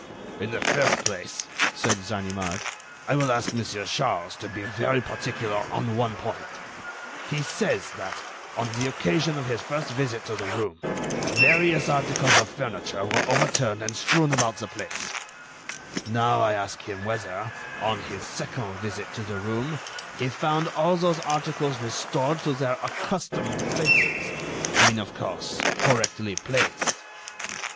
"In the first place," said Ganimard, "I will ask Monsieur Charles to be very particular on one point: He says that, on the occasion of his first visit to the room, various articles of furniture were overturned and strewn about the place; now, I ask him whether, on his second visit to the room, he found all those articles restored to their accustomed places—I mean, of course, correctly placed."